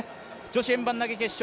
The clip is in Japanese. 女子円盤投決勝